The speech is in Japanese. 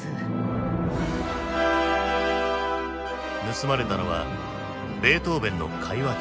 盗まれたのはベートーヴェンの会話帳。